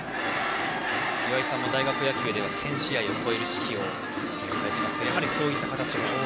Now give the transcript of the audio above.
岩井さんも大学野球では１０００試合を超える試合を指揮されていますがやはりそういった形が多いと。